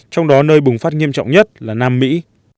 trong đó nơi bùng phát nghiêm trọng nhất là nam mỹ